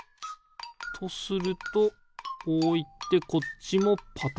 とするとこういってこっちもパタンと。